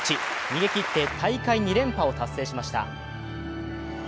逃げ切って大会２連覇を達成しました。